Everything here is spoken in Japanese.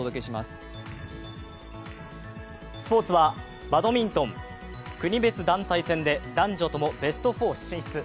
スポーツはバドミントン国別団体戦で男女ともベスト４進出。